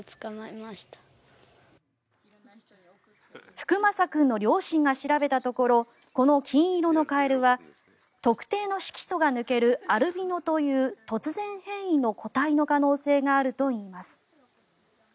福将君の両親が調べたところこの金色のカエルは特定の色素が抜けるアルビノという突然変異の個体の可能性があるといいます。